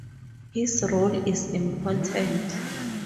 His role is important.